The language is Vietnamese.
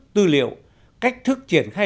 tư liệu cách thức triển khai